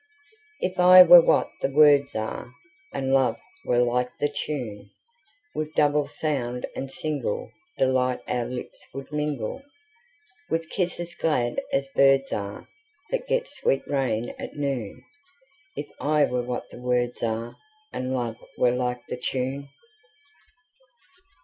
If I were what the words are, And love were like the tune, With double sound and singleDelight our lips would mingle, With kisses glad as birds areThat get sweet rain at noon; If I were what the words areAnd love were like the tune.